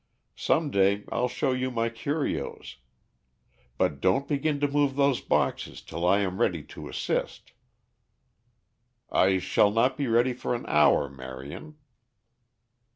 Some day I'll show you my curios. But don't begin to move those boxes till I am ready to assist." "I shall not be ready for an hour, Marion."